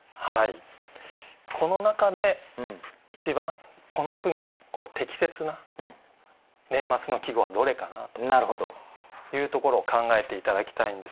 この中で一番この句に適切な年末の季語はどれかなというところを考えて頂きたいんですがいかがですか？